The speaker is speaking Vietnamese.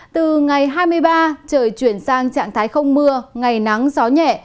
từ ngày hai mươi ba trời chuyển sang trạng thái không mưa ngày nắng gió nhẹ